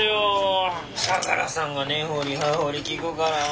相良さんが根掘り葉掘り聞くからぁ。